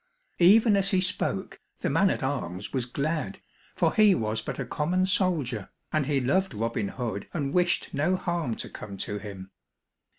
Even as he spoke, the man at arms was glad, for he was but a common soldier, and he loved Robin Hood and wished no harm to come to him.